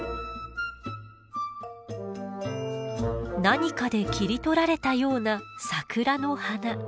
何かで切り取られたような桜の花。